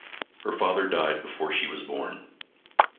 Her father died before she was born.